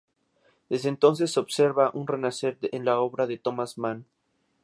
Desde entonces, se observa un renacer de la obra de Thomas Mann.